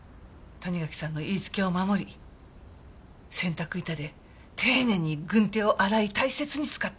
谷垣さんの言いつけを守り洗濯板で丁寧に軍手を洗い大切に使った。